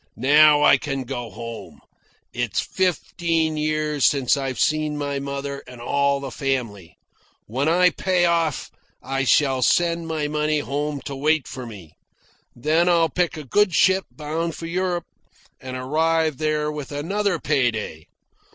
Now I can go home. It is fifteen years since I've seen my mother and all the family. When I pay off, I shall send my money home to wait for me. Then I'll pick a good ship bound for Europe, and arrive there with another pay day.